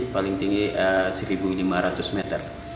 paling tinggi satu lima ratus meter